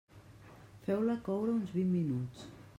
Feu-la coure uns vint minuts.